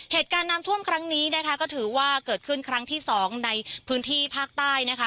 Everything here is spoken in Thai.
เหตุการณ์น้ำท่วมครั้งนี้นะคะก็ถือว่าเกิดขึ้นครั้งที่สองในพื้นที่ภาคใต้นะคะ